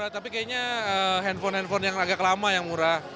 tapi kayaknya handphone handphone yang agak lama yang murah